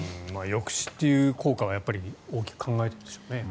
抑止という効果は大きく考えているでしょうね。